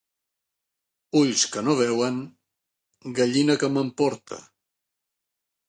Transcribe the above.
Ulls que no veuen, gallina que m'emporte.